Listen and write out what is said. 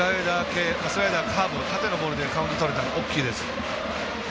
スライダー系、縦のカーブ縦のボールでカウントとれたの大きいです。